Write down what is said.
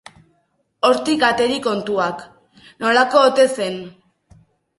Hortik ateri kontuak, nolakoa ote zen!